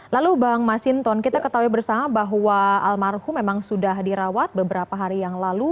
lalu bang masinton kita ketahui bersama bahwa almarhum memang sudah dirawat beberapa hari yang lalu